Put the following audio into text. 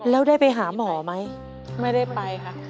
แล้วได้ไปหาหมอไหมไม่ได้ไปค่ะ